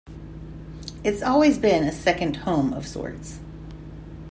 It's always been a second home of sorts.